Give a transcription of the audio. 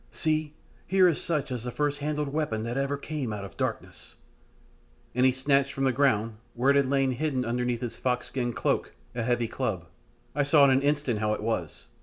See, here is such as the first handled weapon that ever came out of darkness," and he snatched from the ground, where it had lain hidden under his fox skin cloak, a heavy club. I saw in an instant how it was.